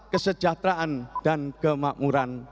kesejahteraan dan kemakmuran